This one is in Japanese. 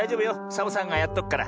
サボさんがやっとくから。